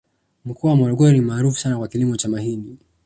mkoa wa morogoro ni maarufu sana kwa kilimo cha mahindi